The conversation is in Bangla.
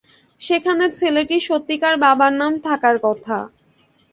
সেখানে ছেলেটির সত্যিকার বাবার নাম থাকার কথা।